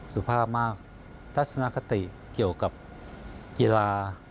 สุภาพมากทัศนคติเกี่ยวกับกีฬา